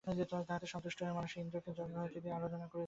তাহাতে সন্তুষ্ট হইয়া মানুষেরা ইন্দ্রকে যজ্ঞাহুতি দ্বারা আরাধনা করিতেছে।